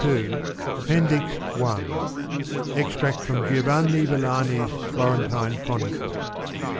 138 APPENDICES Extract from Giovanni Villani's Florentine Chronicle.